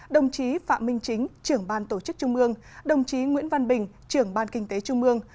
đồng chí phạm minh chính trưởng ban tổ chức trung ương đồng chí nguyễn văn bình trưởng ban kinh tế trung mương